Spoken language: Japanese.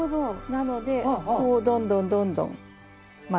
なのでこうどんどんどんどん巻いてきて。